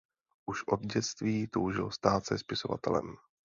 Už od dětství toužil stát se spisovatelem.